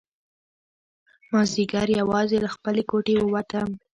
مازیګر یوازې له خپلې کوټې ووتم.